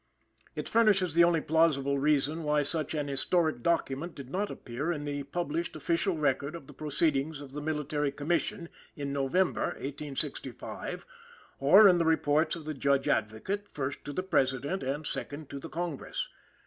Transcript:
It furnishes the only plausible reason why such an historic document did not appear in the published official record of the proceedings of the Military Commission, in November, 1865, or in the reports of the Judge Advocate, first, to the President, and, second, to the Congress.